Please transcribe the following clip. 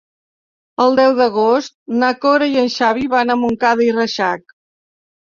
El deu d'agost na Cora i en Xavi van a Montcada i Reixac.